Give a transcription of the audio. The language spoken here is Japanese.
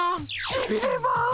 しびれます。